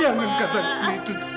jangan katakan begitu